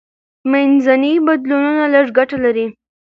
منځني بدلونونه لږه ګټه لري.